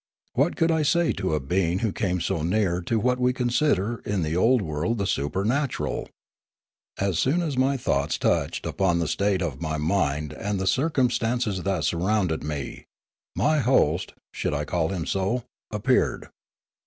What could I say to a being who came so near to what we consider in the old world the supernatural ? As soon as my thoughts touched upon the state of my mind and the circumstances that surrounded me, my host (should I call him so?) appeared.